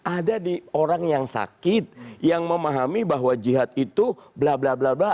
ada di orang yang sakit yang memahami bahwa jihad itu blablabla